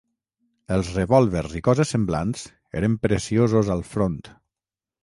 Els revòlvers i coses semblants eren preciosos al front